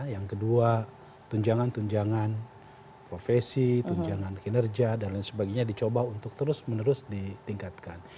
yang kedua tunjangan tunjangan profesi tunjangan kinerja dan lain sebagainya dicoba untuk terus menerus ditingkatkan